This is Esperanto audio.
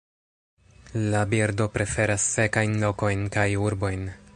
La birdo preferas sekajn lokojn kaj urbojn.